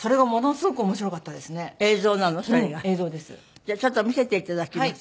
じゃあちょっと見せて頂きます。